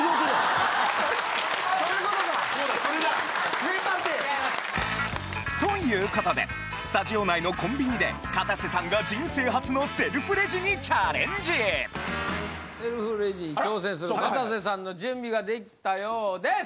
・そういうことか名探偵・ということでスタジオ内のコンビニでかたせさんが人生初のセルフレジにチャレンジセルフレジに挑戦するかたせさんの準備ができたようです！